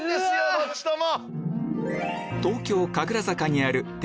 どっちとも。